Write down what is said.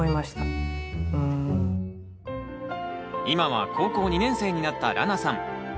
今は高校２年生になったらなさん。